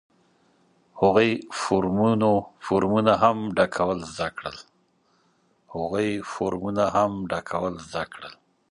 هغوی فورمونه هم ډکول زده کړل.